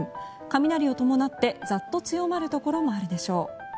雷を伴ってザッと強まるところもあるでしょう。